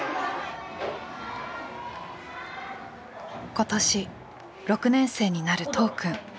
今年６年生になる都央くん。